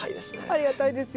ありがたいですよ。